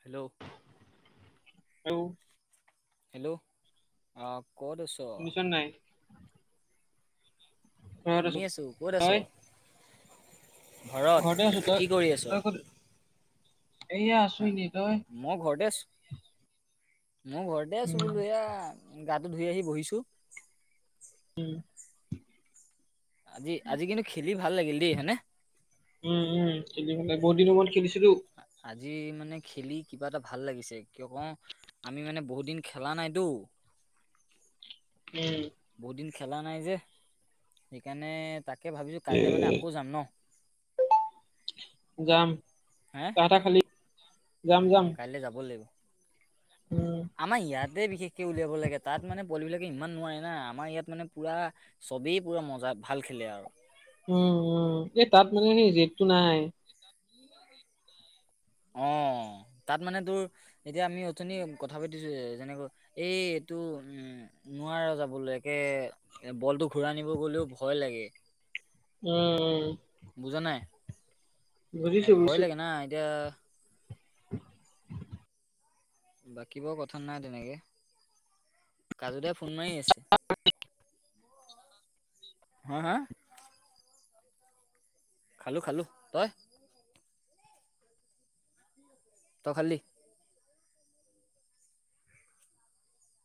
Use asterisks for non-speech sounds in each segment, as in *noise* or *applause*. Hello hello hello অঁ ক'ত আছ- শুনিছ নাই? শুনি আছো। ক'ত আছ? তই ঘৰত। কি কৰি আছ? এইয়া আছো হে, এনেই। তই? মই ঘৰতে আছো, মই ঘৰতে উম আছো বোলো এয়া গাটো ধুই আহি বহিছো। ওম। আজি আজি কিন্তু খেলি ভাল লাগিল দেই হয় নে উম উম খেলি মানে বহুত দিনৰ মোৰত খেলিছিলো আজি মানে খেলি কিবা এটা ভাল লাগিছে কিয় বা আমি মানে বহুত দিন খেলা নাইতো উম। বহুত দিন খেলা নাই যে, সেইকাৰণে তাকে ভাবিছোঁ কাইলৈ মানে আকৌ যাম ন। যাম। হে চাহ তাহ খালি? যাম যাম। তে যাব লাগিব। উম। আমাৰ ইয়াতে বিশেষকে উলিয়াব লাগে, তাত মানে পোৱালি বিলাকে ইমান নোৱাৰে। মানে আমাৰ ইয়াত মানে পুৰা চবেই পুৰা মজা ভাল খেলে আও। উম উম, এই তাত মানে জেদটো নাই। অ তাত মানে তোৰ এতিয়া আমি অথনি কথা পাতিছো যে যেনেকৈ এই এইটো উম নোৱাৰে যাবলৈ একে বলটো ঘূৰাই আনিব গলেও ভয় লাগে উম বুজা নাই এ বুজিছো ভয় বুজিছো লাগে না এতিয়া *unintelligible* বাকী বোৰ কথা নাই তেনেকে কাজু দাই ফোন মাৰি আছে হা হা খালো খালো তই তই খালি?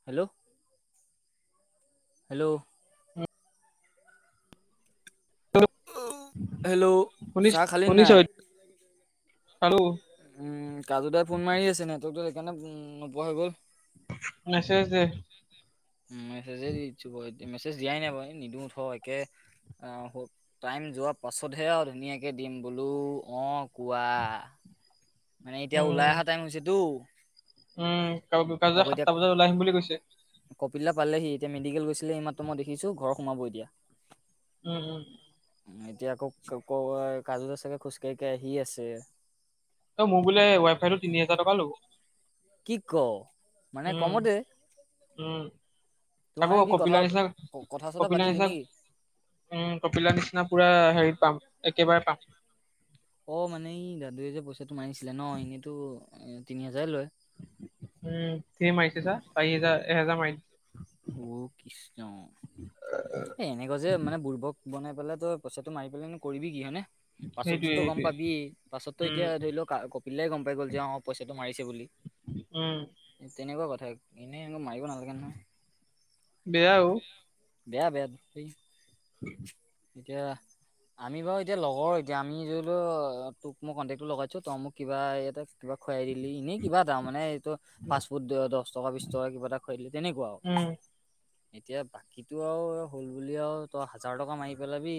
হেল্ল' হেল্ল' হেল্ল' শুনিছ চাহ খালি শুনিছ নাই হেল্ল উম কাজু দাই ফোন মাৰি আছে নেটৱৰ্কটো সেইকাৰণে নোপোৱা হৈ গ'ল আছে আছে মেছেজে দি দিছো বাৰু মেছেজ দিয়াই নাই বাও নিদিও থ একে টাইম যোৱাৰ পাছতহে আও ধুনীয়াকে দিম বোলো অ কোৱা মানে এতিয়া ওলাই উম অহা টাইম হৈছেতো উম কাজুদাই যে আকৌ এতিয়া সাতটা বজাতে ওলাই আহিম বুলি কৈছে কপিলা পালেহি এতিয়া মেডিকেল গৈছিলে এই মাত্ৰ মই দেখিছো ঘৰ সোমাবই এতিয়া উম উম এতিয়া আকৌ ক কাজুদা চাগে খোজকাঢ়ি কাঢ়ি আহি আছে এই মোৰ বোলে ৱাই ফাইটো তিনি হাজাৰ টকা ল'ব কি ক মানে উম কমতে উম তোৰ থাকো মানে কি কথা কপিলা নিচিনা কথা চথা কপিলা পাতিলি নিচিনা নেকি উম কপিলা নিচিনা পুৰা হেৰিত পাম একেবাৰে পাম অ মানে ই দাদুৱে যে পইচাটো মাৰিছিলে ন এনেইতো তিনি হাজাৰে লয় উম ধেৰ মাৰিছে চা চাৰি হাজাৰ এহাজাৰ মাৰিল অ কৃষ্ণ এ এনেকোৱা যে মানে বুৰ্বক বনাই পেলাই তই পইচাটো মাৰি পেলায়নো কৰিবি কি হয় নে সেইটোৱে পাছতোতো গম সেইটোৱে পাবিয়ে পাছতো এতিয়া উম ধৰি লওক কপিলদাই গম পাই গ'ল যে অ পইচাটো মাৰিছে বুলি উম তেনেকোৱা কথা এনেই একো মাৰিব নালাগে নহয় বেয়া ও বেয়া বেয়া উ এতিয়া আমি বাৰু এতিয়া লগৰ এতিয়া আমি তোক মই কন্টেকটো লগাইছো তই মোক কিবা এ কিবা খুৱাই দি এনেই কিবা তাৰ মানে এইটো ফাষ্ট ফুড দশ টকা -বিশ টকা কিবা এটা খুৱাই দিলে তেনেকুৱা আৰু। উম এতিয়া বাকীটো আৰু হ'ল বুলি আৰু তই হাজাৰ টকা মাৰি পেলাবি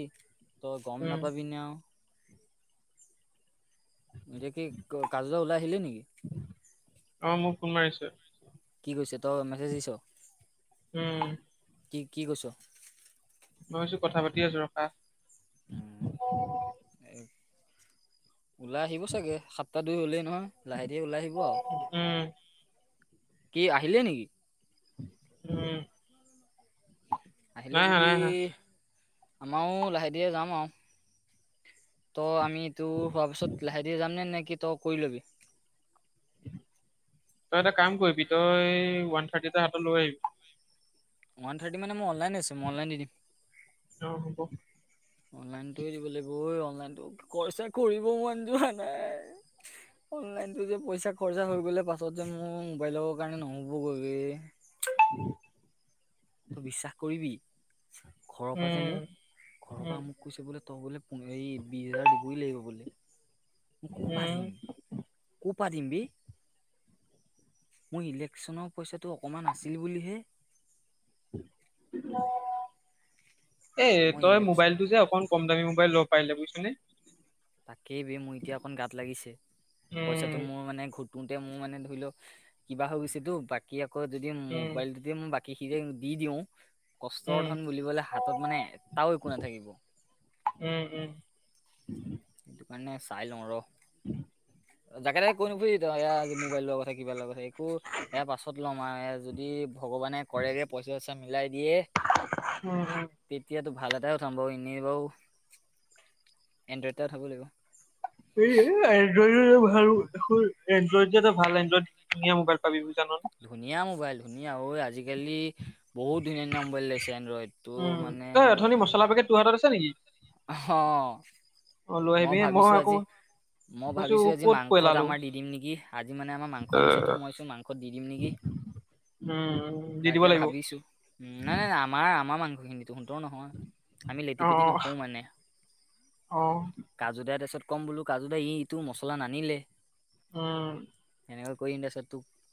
তই গম উম নাপাবি নে আও এতিয়া কি কাজুদা ওলাই আহিলে নেকি অ মোক ফোন মাৰিছে। কি কৈছে তই মেছেজ দিছ? উম কি কি কৈছ? মই কৈছো কথা পাতি আছো ৰখা এই ওলাই আহিব চাগে সাতটা দুই হলেই নহয় লাহে ধীৰে ওলাই আহিব আৰু উম কি আহিলে নেকি? উম। আহিলে নাই আহা যদি, নাই আহা আমাৰো লাহে ধীৰে যাম আৰু। ত আমি এইটো হোৱাৰ পিছত লাহে ধীৰে যাম নে, নে কি তই কৰি লবি? তই এটা কাম কৰিবি তই ওৱান থাৰ্টি এটা হাতত লৈ আহিবি। ওৱান থাৰ্টি মানে মই অনলাইন আছে, মই অনলাইন দি দিম। অ হ'ব। অনলাইনটোয়ে দিব লাগিব ঐ অনলাইনটো, খৰচা কৰিব মন যোৱা নাই অনলাইনতো যে পইচা খৰচা হৈ গ'লে পাছত যে মোৰ মোবাইলৰ কাৰণে নহ'বগৈ ৰে উ। তই বিশ্বাস কৰিবি ঘৰৰ পৰা যে উম মোক, ঘৰৰ উম পৰা মোক কৈছে বোলে তই বোলে হেৰি বিশ হাজাৰ দিবই লাগিব বোলে। কৰ' পা উম দিম, কৰ পা দিম বে, মোৰ ইলেকশ্যনৰ পইচাটো অকণমান আছিল বুলিহে এ মই তই ইলেকশ্যন মোবাইলটো যে অকন কম দামী মোবাইল ল ব পাইলি বুজিছ নে? তাকেই বে মোৰ এতিয়া অকণ গাত লাগিছে, উম পইচাটো মোৰ মানে ঘূট তোতে মোৰ মানে ধৰি লওক কিবা হৈ গৈছেতো বাকী আকৌ যদি উম মোবাইল যে মই বাকীখিনি দি দিওঁ, কষ্টৰ উম ধন বুলিবলে হাতত মানে এটাও একো নাথাকিব। উম উম। সেইটো কাৰণে চাই লওঁ ৰ। উম। যাকে তাকে কৈ নুফুৰিবি ত এয়া যে মোবাইল লোৱা কথা কিবা লোৱা কথা একো এয়া পাছত ল'ম আৰু যদি ভগৱানে কৰেগে পইচা -চইচা মিলাই দিয়ে। উম হুম। তেতিয়াতো ভাল এটাই উঠাম বাৰু এনেই বাৰু এনড্ৰইড এটা উঠাব লাগিব। এই এনড্ৰইডো ভাল এনড্ৰইড যে এটা ভাল এনড্ৰইড ধুনীয়া মোবাইৰ পাবি বু জান নে? ধুনীয়া মোবাইল ধুনীয়া ঐ আজি কালি বহুত ধুনীয়া ধুনীয়া মোবাইল লৈছে এনড্ৰইড তো মানে চলা পেকেট তোৰ হাতত আছে নেকি? অহ, অ লৈ মই আহিবি ভাবিছো আকৌ আজি মই ভাবিছো আজি ক'ত মাংস পেলালো আমাৰ দি দিম নিকি? আজি মানে আমাৰ মাংস আনিছে তো মই চোন মাং আকৌ দি দিম নেকি, দি দিব তাকে লাগিব। ভাবিছো! উম নাই, আমাৰ- আমাৰ মাংসখিনি টোহতৰ নহয় আমি লেটি অ - পেটি নো কৰোঁ মানে, অ কাজু দাৰ তাৰপিছত কম বোলো কাজু দা ই ইটো মছলা নানিলে উম। এনেকৈ কৰি তাৰপিছত তোক,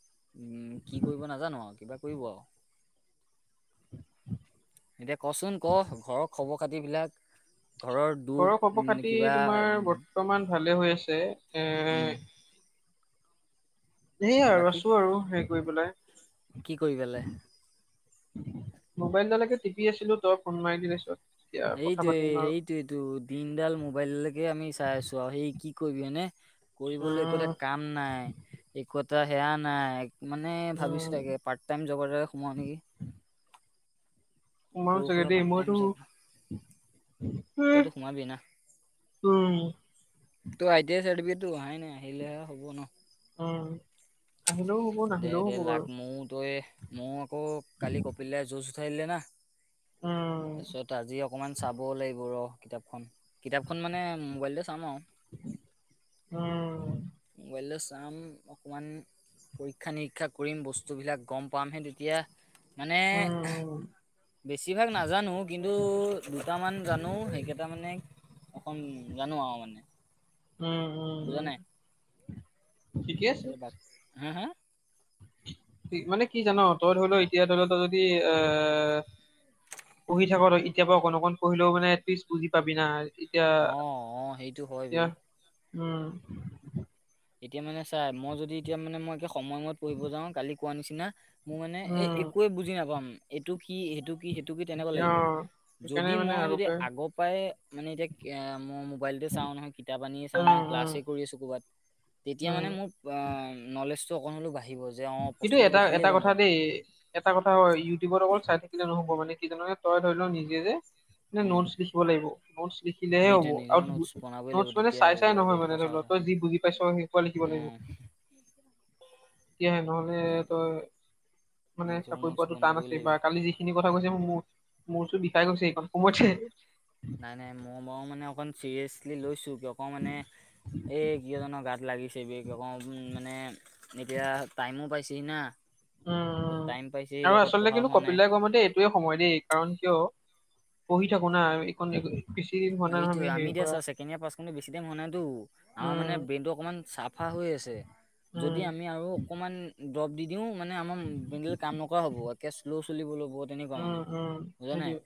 কি কৰিব নাজানো আৰু কিবা কৰিব আৰু এতিয়া কচোন ক ঘৰৰ খবৰ খাতি বিলাক ঘৰৰ ঘৰ খব খাতি তোমাৰ বৰ্তমান ভালে হৈ আছে উম এ এই আৰু বাকী আছো আৰু হেৰি কৰি কি কৰি পেলাই পেলায় মোবাইল ডালকে টিপি আছিলো তই ফোন মাৰি দিলিছত। এইটো সেইটো দিনডাল মোবাইললৈকে আমি চাই আছো আৰু সেই কি কৰিবি এনে কৰিবলৈ একো এটা উম কাম নাই, একো এটা সেয়া নাই মানে উম ভাবিছো তাকে পাৰ টাইম জব এটাকে সোমাও নেকি? মইও সৰু চাগে সুৰা দেই পাৰ্ট টাইম মইতো ততো সোমাবি না। উম। তই আইটি আই চাৰ্টিফিকেটো অহাই নাই আহিলেহে হ'ব ন। উম আহিলেও হ'ব নাহিলেও হ'ব বাৰু মোৰটো এ, মোৰ আকৌ কালি কপিল দাই জুজ উঠাই দিলে না উম তাৰপিছত আজি। অকণমান চাবও লাগিব ৰ কিতাপখন কিতাপখন মানে মোবাইলতে চাম আৰু উম মোবাইলতে চাম অকমান। পৰীক্ষা নিৰীক্ষা কৰিম বস্তুবিলাক গম পামহে তেতিয়া মানে। উম উম বেছিভাগ নাজানো কিন্তু দুটামান জানো সেইকেইটা মানে। অকন জানো আৰু মানে। উম উম বুজা উম নাই ঠিকে আছে। এতিয়া হা হা, মানে কি জান তই ধৰি ল এতিয়া ধৰি ল তই যদি এ, পঢ়ি থাক আৰু এতিয়া পৰা অকন অকন পঢ়িলেও মানে এটলিষ্ট বুজি পাবি না। এতিয়া অ অ সেইটো হয় এতিয়া বে উম, এতিয়া মানে চাই মই যদি এতিয়া মানে মই সময়ময়ত পঢ়িব যাওঁ কালি কোৱা নিচিনা। মোৰ মানে এ উম একোৱে বুজি নাপাম এইটো কি সেইটো কি সেইটো কি তেনেকুৱা এতিয়া লাগিব। অ সেইকাৰণে যদি মানে মই যদি পৰাই আগৰ পৰাই মানে এতিয়া মই মোবাইলতে চাওঁ নহয় কিতাপ আনিয়ে চাওঁ উম নহয়। উম ক্লাছে কৰি আছোঁ ক'ৰবাত তেতিয়া উম মানে মোৰ নলেজটো অকণ হ'লেও বাঢ়িব। যে অ কিন্তু প্ৰশ্নটো এটা দেখিলেই এটা গম কথা পাম দেই। এটা কথা হয় ইউটিউবত অকল চাই থাকিলে নহ'ব মানে কিজান তই ধৰি লও নিজে যে উম নোট, বনাব লাগিব। নোটছ লিখিলেহে হ'ব সেইটোৱে নিজৰ আৰু নোটছ বনাবই লাগিব নোটছ মানে তেতিয়া চাই হ'ব চাই দে নহয় এইটো মানে সঁচা ধৰি লও কথা তই যি বুজি পাইছ সি, ক লিখিব লাগিব। উম তেতিয়াহে নহলে তই মানে নিজৰ চাকৰি নোটছ পোৱাতটো টান বনাবই আছে লাগিব বা কালি যি। খিনি কথা কৈছে মো মূৰ চোৰ বিষাই গৈছে এইকন সময়তে, নাই নাই মই বাৰু মানে অকণ চিৰিয়াছলি লৈছোঁ। কিয় ক মানে এই কেইজনৰ গাত লাগিছে বিক অক মানে এতিয়া টাইমো পাইছেহি না। উম উম টাইম পাইছেহি আৰু লগত আচলতে পঢ়া কিন্তু হোৱা নাই কপিলা দাই কোৱা মতে এই, টোৱে সময় দেই কাৰণ কিয় পঢ়ি থাকো না এইকন এইটো আমি দিয়া চেকেণ্ড ইয়াৰ পাছ কৰোতে বেছি টাইম হোৱা নাইটো। আমাৰ মানে উম বেইনটো অকমান চাফা হৈ আছে যদি উম আমি আৰু অকমান দ্ৰৱ দি দিও মানে আমাৰ বেনডালে কাম নকৰা হ'ব একে শ্ল' চলিব লব। তেনেকুৱা মানে উম উম বুজা নাই সেইটোৱে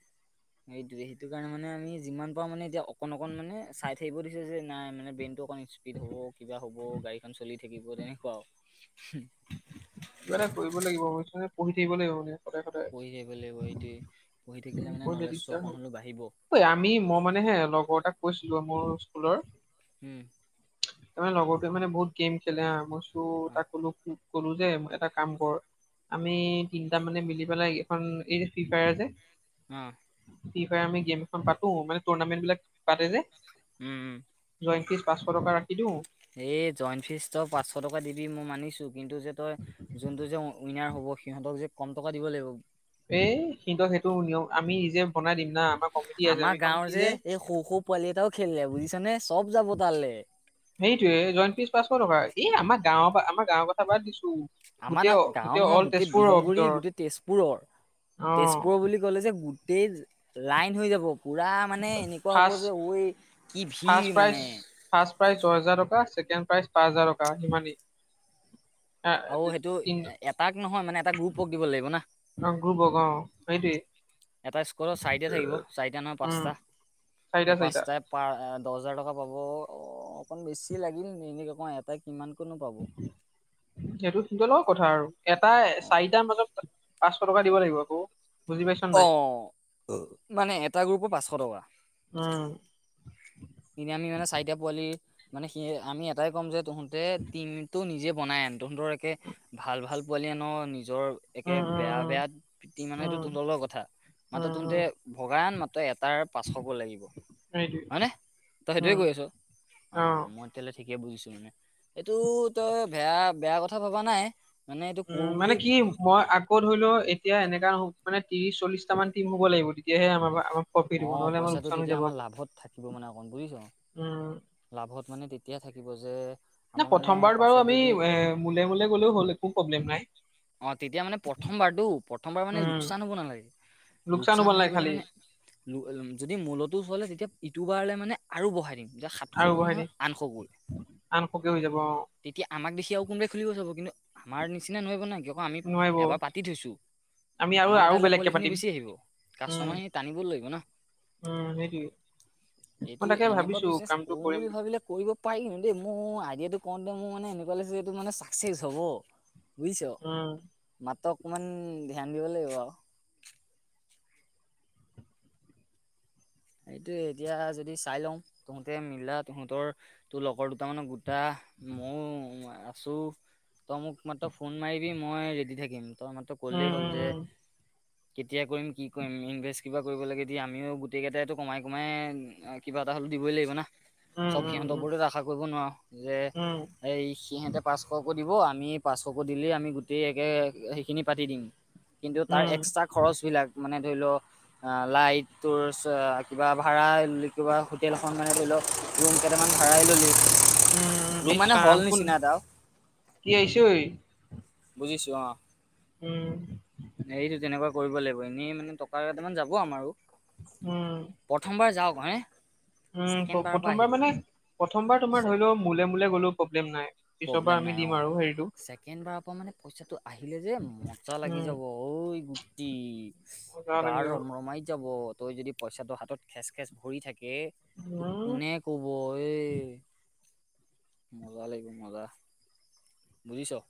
সেইটোৱে সেইটো কাৰণে আমি যিমান। পৰা মানে এতিয়া অকণ অকণ মানে চাই থাকিব দিছে যে নাই মানে বেইনটো অকণ স্পীড হ'ব। কিবা হ'ব গাড়ীখন চলি থাকিব তেনেকুৱা আৰু কিবা এটা কৰিব লাগিব বুইজ নে পঢ়ি থাকিব লাগিব মানে সদায় সদায়। পঢ়ি থাকিব লাগিব এইটোৱে পঢ়ি থাকিলে মানে পঢ়িলে নলেজ টো দিগদাৰ অকণ হয়। হ'লেও বাঢ়িব। আমি মই মানে হে লগৰ এটাক কৈছিলো মোৰ স্কুলৰ। উম। তাৰমানে লগৰটোৱে মানে বহুত গেম খেলে বা, মই কইচো অ তাক কলোঁ কলোঁ যে এটা কাম কৰ আমি তিনটা মানে মিলি পেলাই এখন এই যে ফ্ৰী ফায়াৰ যে। অ, ফ্ৰী ফায়াৰ আমি গেম এখন পাতো মানে টুৰ্ণামেণ্ট বিলাক পাতে যে। উম উম। জইন ফিছ পাঁচশ টকা ৰাখি দিওঁ। এই জইণ্ট ফিজটো পাঁচশ টকা দিবি মই মানিছো কিন্তু যে তই যোনটো যে উইনাৰ হ'ব। সিহঁতক যে কম টকা দিব লাগিব। এই কিন্তু সেইটো নিয়ম আমি নিজে বনাই দিম না আমাৰ কমিটি আছে আমি ক'ম কি যে- এ সৰু সৰু পোৱালি এটাও খেলিলে বুজিছানে চব যাব তালে। সেইটোৱে জইনফিছ পাছশ টকা এই আমাৰ গাঁৱৰ পৰা আমাৰ গাঁৱৰ কথা বাদ দিছোঁ। আমাৰহ গাঁওৰ নহয় গোটেই বিহুগুৰি ভিতৰত গোটেই তেজপুৰৰ অ তেজপুৰৰ বুলি ক'লে যে গোটেই লাইন হৈ যাব পুৰা মানে এনেকুৱা হ'ব ফাৰ্ষ্ট যে ঐ কি ভিৰ ফাৰ্ষ্ট মানে প্ৰাইজ ফাৰ্ষ্ট প্ৰাইজ ছয় হেজাৰ টকা ছেকেণ্ড প্ৰাইজ পাঁচ হাজাৰ টকা সিমানেই। আহ, আৰু সেইটো তিন এটাক নহয় মানে এটা গ্ৰুপক দিব লাগিব না। অ গ্ৰুপক অ সেইটোৱে। এটা স্কৰটত চাৰিটা থাকিব চাৰিটা নহয় উম পাঁচটা চাৰিটা সেই চাৰিটা পাঁচটা পাৰ দহ হাজাৰ টকা পাব অ অকন বেছি লাগিল এনেক আকৌ এটা কিমান কননো পাব। সেইটো সিহঁতৰ লগত কথা আৰু, এটা চাৰিটাৰ মাজত- পাঁচশ টকা দিব লাগিব আকৌ। বুজি পাইছ নে অ নাই মানে এটা গ্ৰুপৰ পাঁচশ টকা। উম। এনে আমি মানে চাৰিটা পোৱালি। মানে সি আমি এটাই ক'ম যে তহঁতে টিমটো নিজে বনাই আন তহঁতৰ একে ভাল ভাল পোৱালি ন নিজৰ একে উম বেয়া উম বেয়া টিম উম আনাতো উম তহঁতৰ লগত কথা, মাথোঁ উম উম তহঁতে ভগা মাত্ৰ এটাৰ পাঁচশকৈ লাগিব। হয়নে সেইটোৱে। তই সেইটোৱে উম কৈ আছ। অ মই তেতিয়া হ'লে ঠিকে বুজিছোঁ মানে, এইটো তই বেয়া বেয়া কথা ভাবা নাই। মানে এইটো উম কৰো মানে বুলি কি মই- তই ধৰি লওঁ এতিয়া এনেকা মানে ত্ৰিশ চল্লিটা মান টিম হ'ব লাগিব, তেতিয়াহে আমাপা আমাৰ- প্ৰফিট হ'ব অঁ নহ'লে আমাৰ পইচাটো লোকচান হৈ তেতিয়া যাব। আমাৰ আকৌ। লাভত থাকিব মানে অকণ বুজিছ। উম। লাভত মানে তেতিয়া থাকিব যে। ন আমাৰ মানে প্ৰথমবাৰ বাৰ বাবে পাছত আমি যদি এ মোলে মোলে গলেও হ'ল একো প্ৰব্লেম নাই। অঁ তেতিয়া মানে প্ৰথমবাৰতো প্ৰথমবাৰ মানে উম, লোকচান হ'ব নালাগে হ'ব লোকচান হৈ নালাগে খালি গ'লে মানে যদি মূলতো চলে তেতিয়া ইটো বাৰলৈ মানে আৰু বঢ়াই দিম। তেতিয়া আৰু সাতশকৈ বঢ়াই দি নহয় আনশকৈ। আনশকে হৈ যাব অ', তেতিয়া আমাক দেখি আৰু কোনোবাই খুলিব চাব কিন্তু আমাৰ নিচিনা নোৱাৰিব ন কি আকৌ আমি নোৱাৰিব এবাৰ পাতি থৈছোঁ। আমি আৰু আমাৰ আৰু তালৈ বেলেগকে পোৱলিখিনি পাতিম বেছি আহিব উম। কাষ্টমাৰ খিনি টানিবও লাগিব না। উম সেইটোৱেই এইটো এনেকুৱা বিজনেচ কৰোঁ বুলি ভাবিলে- কৰিব পাৰি কিন্তু দেই মোৰ আইডিয়াটো কওঁতে মোৰ মানে এনেকুৱা লাগিছে এইটো মানে চাকচেছ হ'ব। বুইছ। উম। মাত্ৰ অকমান ধ্যান দিব লাগিব আও। সেইটোৱে এতিয়া যদি চাই লওঁ তহঁতে মিলা তহঁতৰ তোৰ লগৰ দুটা মানক গোটা? মইও আছোঁ। তই মোক মাত্ৰ ফোন মাৰিবি? মই ৰেডি থাকিম। তই মাত্ৰ, উম, ক'লেই হ'ল উম, যে, কেতিয়া কৰিম, কি কৰিম? ইনভেষ্ট কিবা, কৰিব লাগে, দি আমিও গতিকে, এইটো কমাই-কমাই, কিবা এটা হ'লেও দিবই লাগিব না? উম। উম, চব উম, সিহঁত উম, উপৰতে আখা কৰিব নোৱাৰ যে। উম, এই সিহঁতে পাঁচশকো দিব আমি পাঁচশকো দিলে আমি গোটেই একে সেইখিনি পাতি দিম। কিন্তু তাৰ উম, এক্সট্ৰা খৰচ বিলাক মানে ধৰি লও অ লাইটটোৰ চা কিবা ভাড়া কিবা হোটেলখন মানে ধৰি লওঁক ৰুম কেইটামান ভাড়াই ল'লি। উম, উম, ৰুম ইচ মানে, হল ৰাম কোন নিচিনা এটাও কি আহিছে ঐ? বুজিছোঁ, অ'! উম! এইটো, তেনেকুৱা কৰিব লাগিব। এনেই মানে, টকা কেইটামান যাব আমাৰো। উম! প্ৰথমবাৰ যাওঁ ভাই? উম! প্ৰথমবাৰ মানে, প্ৰথমবাৰ তোমাৰ, ধৰি লওঁ মোলে -মোলে গ'লেও প্ৰব্লেম নাই। পিছৰ প্ৰব্লেম পৰা আমি নাই অ দিম আৰু। হেৰি ছেকেণ্ড বাৰৰ পৰা মানে, পইচাটো আহিলে যে, মজা লাগি উম যাব, ঐ গুটি! মজা গা লাগিব ৰমৰমাই যাব। তই যদি পইচাটো হাতত, খেচ -খেচ ভৰি থাকে। উম কোনে ক'ব এই? মজা লাগিব, মজা! বুজিছোঁ।